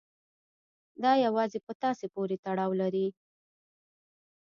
دا يوازې په تاسې پورې تړاو لري.